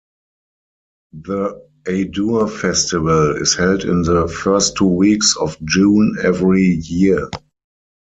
The Adur festival is held in the first two weeks of June every year.